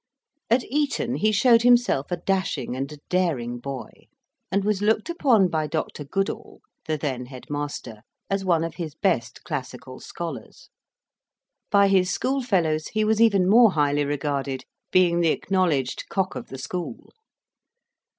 At Eton he showed himself a dashing and a daring boy, and was looked upon by Dr. Goodall, the then head master, as one of his best classical scholars; by his schoolfellows he was even more highly regarded, being the acknowledged "cock of the school."